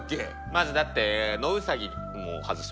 まずだってノウサギも外してますよね。